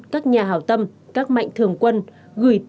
các nhà hảo tâm các mạnh thường quân gửi tiền tư thi